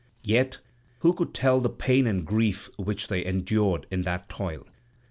Yet who could tell the pain and grief which they endured in that toil?